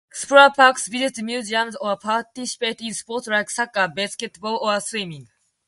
Explore parks, visit museums, or participate in sports like soccer, basketball, or swimming.